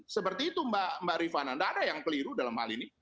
seperti itu mbak rifana tidak ada yang keliru dalam hal ini